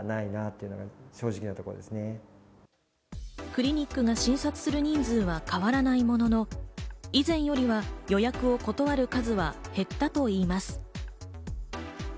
クリニックが診察する人数は変わらないものの、以前よりは予約を断る数は減ったといいます。